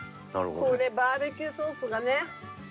これバーベキューソースがね。